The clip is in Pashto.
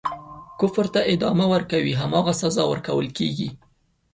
کفر ته ادامه ورکوي هماغه سزا ورکوله کیږي.